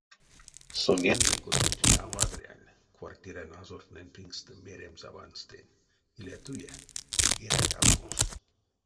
Сонензэ кода-бути а вадряль квартирань азортнэнь пингстэ меремс аванстэнь: иля туе, эряк аламос.